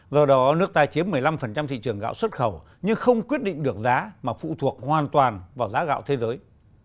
do đó nước ta chiếm một mươi năm thị trường gạo xuất khẩu nhưng không quyết định được giá mà phụ thuộc hoàn toàn vào giá gạo thế giới